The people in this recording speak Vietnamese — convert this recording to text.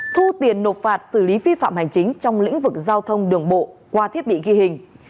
thu tiền nộp phạt xử lý vi phạm hành chính trong lĩnh vực giao thông đường bộ qua thiết bị ghi hình